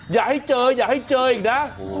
อย่าให้เจออย่าให้เจออีกนะ